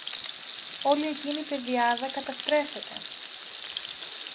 όλη εκείνη η πεδιάδα καταστρέφεται!